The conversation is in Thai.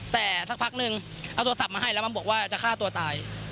แต่สักพักนึงเอาโทรศัพท์มาให้แล้วมันบอกว่าจะฆ่าตัวตาย